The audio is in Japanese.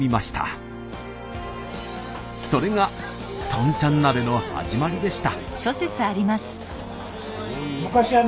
それがとんちゃん鍋の始まりでした。